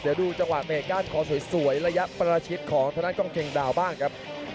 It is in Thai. เดี๋ยวดูจังหวาดเมพก้านคอสวยระยะประชิดของถนัดกองเกงดาวบ้างครับ